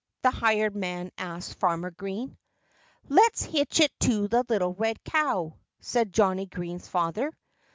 the hired man asked Farmer Green. "Let's hitch it to the little red cow," said Johnnie Green's father.